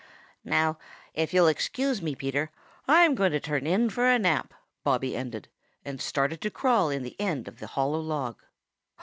"Now, if you'll excuse me, Peter, I'm going to turn in for a nap," Bobby ended, and started to crawl in the end of the hollow log.